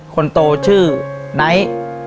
คนโตชื่อไนท์